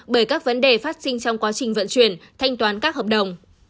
bởi các vấn đề phát sinh trong quá trình vận chuyển thanh toán các hợp đồng